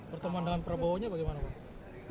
pertemuan dengan prabowo nya bagaimana pak